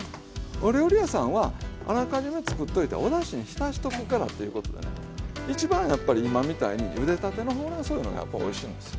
お料理屋さんはあらかじめ作っといておだしに浸しとくからということでね一番やっぱり今みたいにゆでたてのほうれんそういうのがやっぱおいしいんですよ。